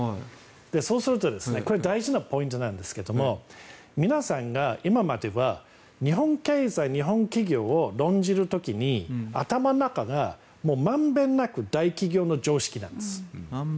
そうすると、これは大事なポイントなんですけど皆さんが今までは日本経済、日本企業を論じる時に頭の中が、まんべんなく大企業の常識なんです。